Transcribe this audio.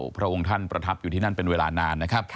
พระองค์ท่านประทับอยู่ที่นั่นเป็นเวลานานนะครับ